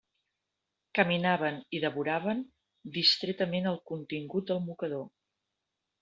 Caminaven i devoraven distretament el contingut del mocador.